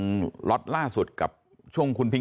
แต่ภายหลังได้รับแจ้งว่ากำลังจะแต่งงาน